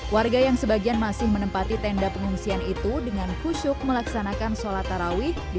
warga yang sebagian masih menempati tenda pengungsian itu dengan kusyuk melaksanakan sholat tarawih di